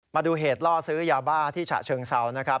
มาดูเหตุล่อซื้อยาบ้าที่ฉะเชิงเซานะครับ